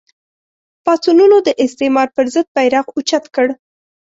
پاڅونونو د استعمار پر ضد بېرغ اوچت کړ